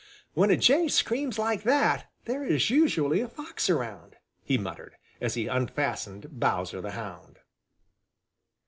"When a jay screams like that there is usually a fox around," he muttered, as he unfastened Bowser the Hound.